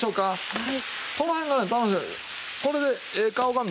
はい。